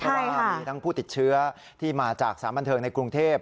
เพราะว่ามีทั้งผู้ติดเชื้อที่มาจากสารบันเทิงในกรุงเทพ